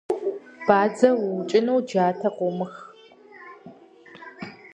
Бадзэ уукӏыну джатэ къыумых.